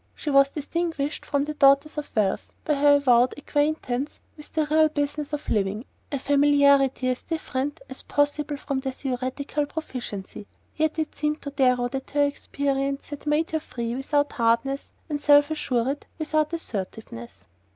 She was distinguished from the daughters of wealth by her avowed acquaintance with the real business of living, a familiarity as different as possible from their theoretical proficiency; yet it seemed to Darrow that her experience had made her free without hardness and self assured without assertiveness.